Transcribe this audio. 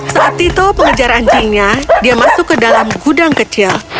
saat tito pengejar anjingnya dia masuk ke dalam gudang kecil